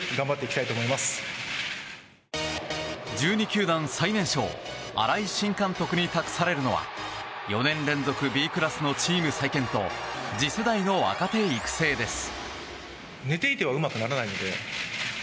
１２球団最年少新井新監督に託されるのは４年連続Ｂクラスのチーム再建と次世代の若手育成です。